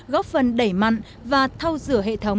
góp phần đẩy mặn và thao dửa hệ thống